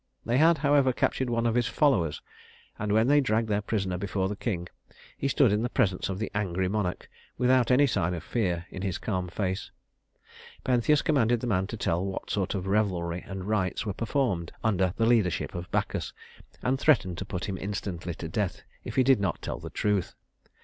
They had, however, captured one of his followers; and when they dragged their prisoner before the king, he stood in the presence of the angry monarch without any sign of fear in his calm face. Pentheus commanded the man to tell what sort of revelry and rites were performed under the leadership of Bacchus; and threatened to put him instantly to death if he did not tell the truth.